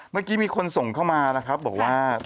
เมื่อกี้มีคนส่งเข้ามานะครับบอกว่า